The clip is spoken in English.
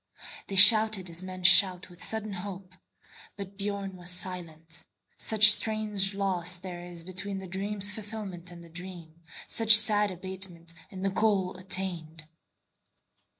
They shouted as men shout with sudden hope; But Biörn was silent, such strange loss there isBetween the dream's fulfilment and the dream, Such sad abatement in the goal attained.